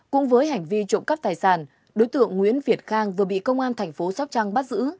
cũng với hành vi trộm cắp tài sản đối tượng nguyễn việt khang vừa bị công an thành phố sóc trăng bắt giữ